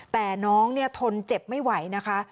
แต่น้องเนี่ยทนเจ็บไม่ไหวนะคะ